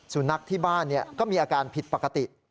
สุนัขที่บ้านก็มีอาการผิดปกติ